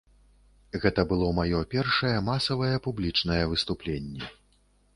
Гэта было маё першае масавае публічнае выступленне.